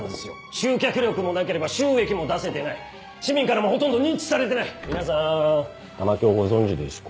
集客力もなければ収益も出せてない市民からもほとんど認知されてない皆さん玉響ご存じですか？